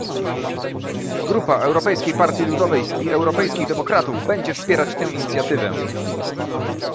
Grupa Europejskiej Partii Ludowej i Europejskich Demokratów będzie wspierać tę inicjatywę